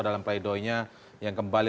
dalam play doh nya yang kembali